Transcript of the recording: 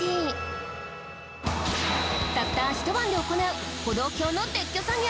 たった一晩で行う歩道橋の撤去作業。